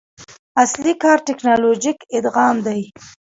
اصلي کار ټکنالوژیک ادغام دی.